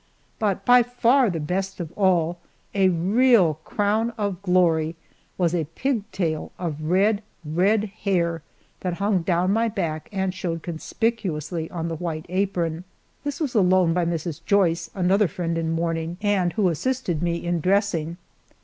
But by far the best of all, a real crown of glory, was a pigtail of red, red hair that hung down my back and showed conspicuously on the white apron. This was a loan by Mrs. Joyce, another friend in mourning, and who assisted me in dressing.